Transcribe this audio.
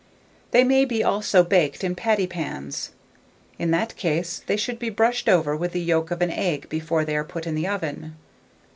They may be also baked in patty pans: in that case, they should be brushed over with the yolk of an egg before they are put in the oven.